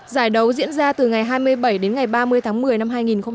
giải đấu diễn ra từ ngày hai mươi bảy đến ngày ba mươi tháng một mươi năm hai nghìn một mươi chín